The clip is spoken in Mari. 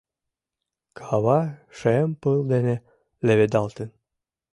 Кава шем пыл дене леведалтын.